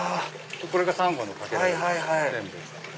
これがサンゴのかけらです。